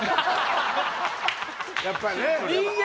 やっぱりね！